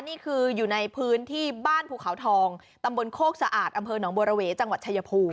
นี่คืออยู่ในพื้นที่บ้านภูเขาทองตำบลโคกสะอาดอำเภอหนองบัวระเวจังหวัดชายภูมิ